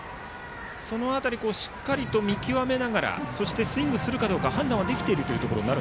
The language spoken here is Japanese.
その辺りしっかりと見極めながらそしてスイングするかどうか判断はできていると。